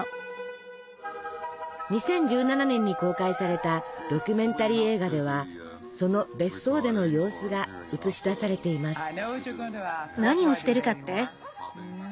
２０１７年に公開されたドキュメンタリー映画ではその別荘での様子が映し出されています。